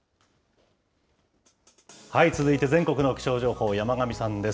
続いて全国の気象情報、山神さんです。